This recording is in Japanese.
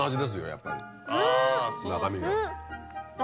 やっぱり中身が。